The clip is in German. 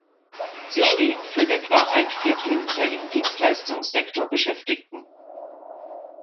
Sie stehen für etwa ein Viertel der im Dienstleistungssektor Beschäftigten.